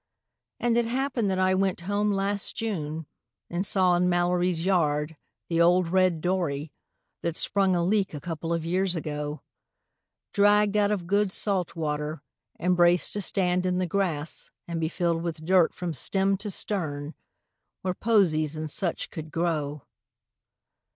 And it happened that I went home last June, and saw in Mallory's yard The old red dory that sprung a leak a couple of years ago, Dragged out of good salt water and braced to stand in the grass And be filled with dirt from stem to stern, where posies and such could grow.